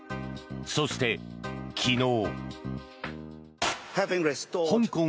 そして、昨日。